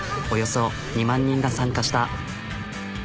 およそ２万人が参加した。